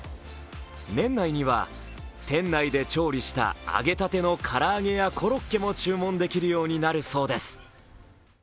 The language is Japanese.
年内には、店内で調理した揚げたての唐揚げやコロッケも注文できるようになるそうです。